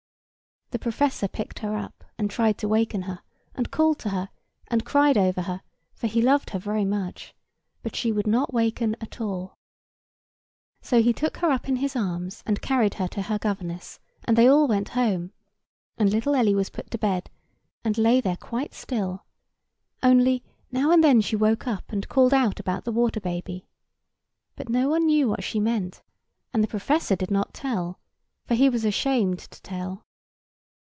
The professor picked her up, and tried to waken her, and called to her, and cried over her, for he loved her very much: but she would not waken at all. So he took her up in his arms and carried her to her governess, and they all went home; and little Ellie was put to bed, and lay there quite still; only now and then she woke up and called out about the water baby: but no one knew what she meant, and the professor did not tell, for he was ashamed to tell.